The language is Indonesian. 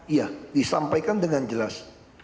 iya disampaikan dengan jelas